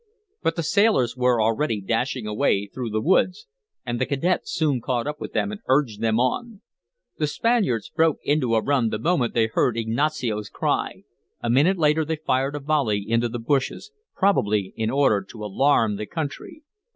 But the sailors were already dashing away through the woods. And the cadet soon caught up with them and urged them on. The Spaniards broke into a run the moment they heard Ignacio's cry; a minute later they fired a volley into the bushes, probably in order to alarm the country.